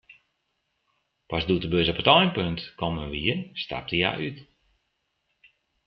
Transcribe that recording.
Pas doe't de bus op it einpunt kommen wie, stapte hja út.